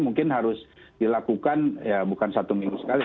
mungkin harus dilakukan ya bukan satu minggu sekali